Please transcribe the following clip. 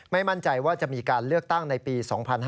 มั่นใจว่าจะมีการเลือกตั้งในปี๒๕๕๙